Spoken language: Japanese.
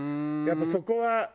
やっぱりそこは。